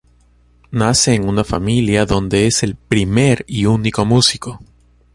Nace en una familia donde es el primer y único músico.